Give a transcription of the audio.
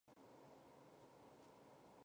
北京市、最高检机关提出了防控工作新要求